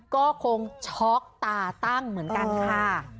ก็คงช็อกตาตั้งเหมือนกันค่ะ